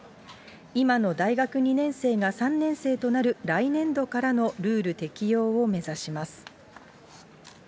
今の大学２年生が３年生となる来年度からのルール適用を目指します。